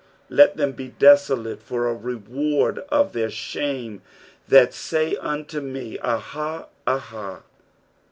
I s Let them be desolate for a reward of their shame that say unto me. Aha, aha.